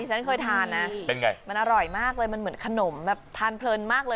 ฉันเคยทานนะเป็นไงมันอร่อยมากเลยมันเหมือนขนมแบบทานเพลินมากเลย